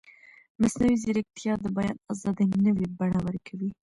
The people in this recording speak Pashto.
مصنوعي ځیرکتیا د بیان ازادي نوې بڼه ورکوي.